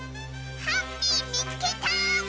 ハッピーみつけた！